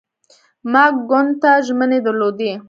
ما ګوند ته ژمنې درلودې.